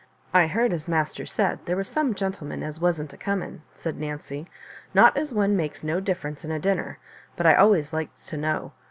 " I heard as master said, there was some gen tleman as wasn't a coming," said Nancy. " Not as one makes no difference in a dinner; but I allays likes to know.